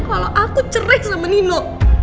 kalau aku cerai sama nino